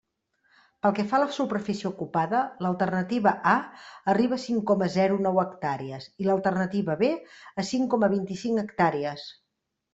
Pel que fa a la superfície ocupada, l'alternativa A arriba a cinc coma zero nou hectàrees, i l'alternativa B a cinc coma vint-i-cinc hectàrees.